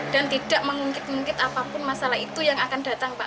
tidak mengungkit ungkit apapun masalah itu yang akan datang pak